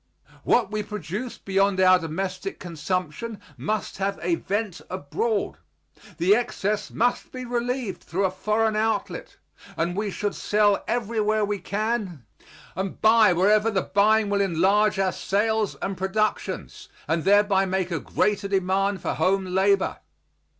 What we produce beyond our domestic consumption must have a vent abroad. The excess must be relieved through a foreign outlet, and we should sell everywhere we can and buy wherever the buying will enlarge our sales and productions, and thereby make a greater demand for home labor.